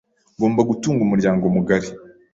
Ngomba gutunga umuryango mugari .